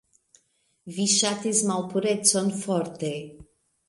Vi ŝatis malpurecon forte.